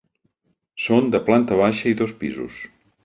Són de planta baixa i dos pisos.